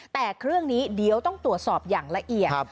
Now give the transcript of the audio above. แต่เครื่องนี้เดี๋ยวต้องตรวจสอบอย่างละเอียด